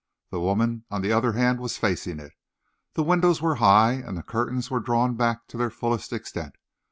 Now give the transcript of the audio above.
The woman, on the other hand, was facing it. The windows were high, and the curtains were drawn back to their fullest extent.